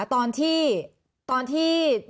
ตอนที่